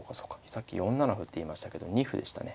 さっき４七歩って言いましたけど二歩でしたね。